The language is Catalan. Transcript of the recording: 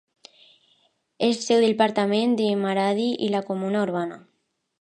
És seu del Departament de Maradi i la comuna urbana.